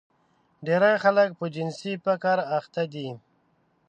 ډېری خلک په جنسي فقر اخته دي.